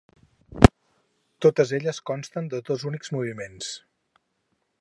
Totes elles consten de dos únics moviments.